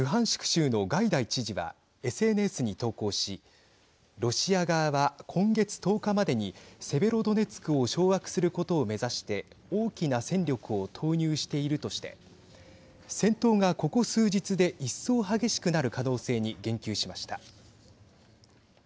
州のガイダイ知事はＳＮＳに投稿しロシア側は、今月１０日までにセベロドネツクを掌握することを目指して大きな戦力を投入しているとして戦闘が、ここ数日で一層激しくなる可能性に言及しました。